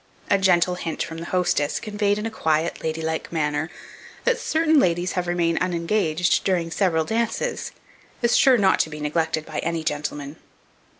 A gentle hint from the hostess, conveyed in a quiet ladylike manner, that certain ladies have remained unengaged during several dances, is sure not to be neglected by any gentleman.